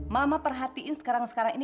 mama perhatiin sekarang sekarang ini